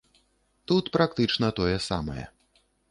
Тут практычна тое самае.